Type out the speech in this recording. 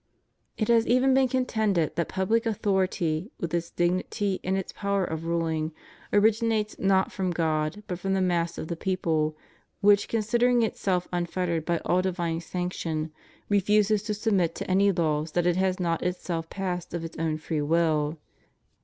It has even been contended that public author ity, with its dignity and its power of ruUng, originates not from God but from the mass of the people, which, considering itself unfettered by all divine sanction, refuses to submit to any laws that it has not itself passed of its own free will.